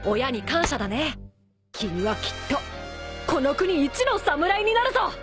君はきっとこの国いちの侍になるぞ！